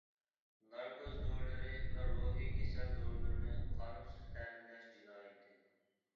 ناركوز دورىلىرى ۋە روھىي كېسەل دورىلىرىنى قانۇنسىز تەمىنلەش جىنايىتى.